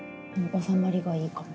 収まりがいいかも。